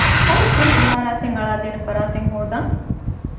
އައު ޖިމް އިމާރާތެއް އަޅައިދޭނޭ ފަރާތެއް ހޯދަން